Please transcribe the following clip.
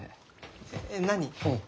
えっ何？